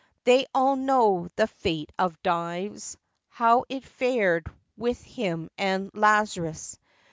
They all know the fate of Dives— How it fared with him and Laz'rus!